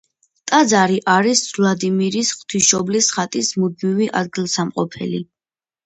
ტაძარი არის ვლადიმირის ღვთისმშობლის ხატის მუდმივი ადგილსამყოფელი.